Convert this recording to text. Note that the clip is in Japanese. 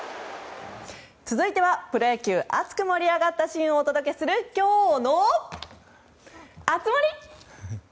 続いてはプロ野球熱く盛り上がったシーンをお届けする、今日の熱盛！